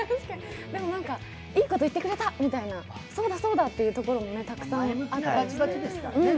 でも、いいこと言ってくれたみたいな、そうだそうだというところもたくさんありますね。